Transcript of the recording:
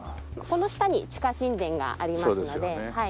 この下に地下神殿がありますので。